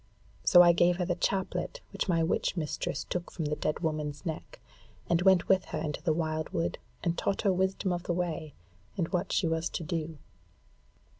So I gave her the chaplet which my witch mistress took from the dead woman's neck; and went with her into the wildwood, and taught her wisdom of the way and what she was to do.